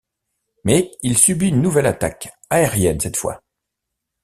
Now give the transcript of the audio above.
Mais il subit une nouvelle attaque, aérienne cette fois.